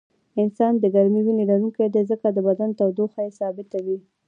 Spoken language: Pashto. انسان د ګرمې وینې لرونکی دی ځکه د بدن تودوخه یې ثابته وي